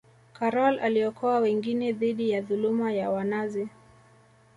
Karol aliokoa wengine dhidi ya dhuluma ya wanazi